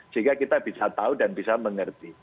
sehingga kita bisa tahu dan bisa mengerti